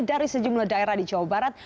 dari sejumlah daerah di jawa barat